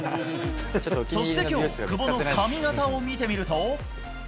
そしてきょう、久保の髪形を見てみると。